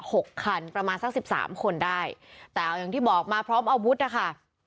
หกคันประมาณสักสิบสามคนได้แต่เอาอย่างที่บอกมาพร้อมอาวุธนะคะ